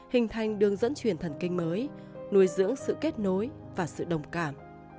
hình thành đường dẫn truyền thần kinh mới nuôi dưỡng sự kết nối và sự đồng cảm